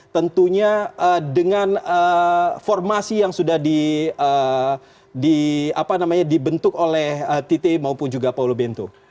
tentunya dengan formasi yang sudah dibentuk oleh tite maupun juga paulobento